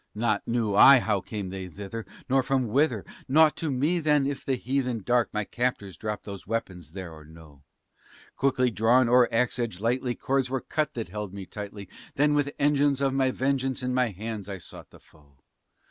Naught knew I how came they thither, nor from whither; naught to me then If the heathen dark, my captors, dropped those weapons there or no; Quickly drawn o'er axe edge lightly, cords were cut that held me tightly, Then, with engines of my vengeance in my hands, I sought the foe.